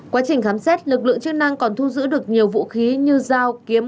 quá trình khám xét lực lượng chức năng còn thu giữ được nhiều vũ khí như dao kiếm